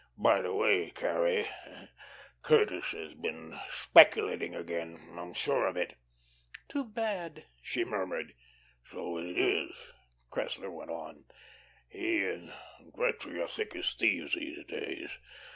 "By the way, Carrie, Curtis has been speculating again. I'm sure of it." "Too bad," she murmured. "So it is," Cressler went on. "He and Gretry are thick as thieves these days.